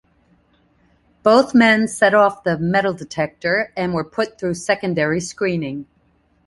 Both men set off the metal detector and were put through secondary screening.